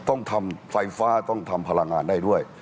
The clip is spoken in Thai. ต้องทำไฟฟ้าต้องทำพลังงานได้ด้วย